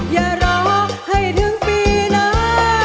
อย่ารอให้ถึงปีหน้า